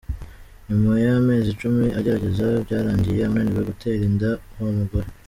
Nyuma y’amezi icumi agerageza, byarangiye ananiwe gutera inda wa umugore.